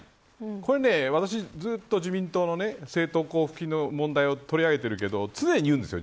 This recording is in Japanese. これ、私、ずっと自民党の政党交付金の問題を取り上げてるけど、常に言うんですよ